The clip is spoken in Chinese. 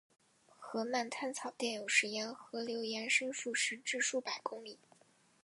河漫滩草甸有时沿河流延伸数十至数百公里。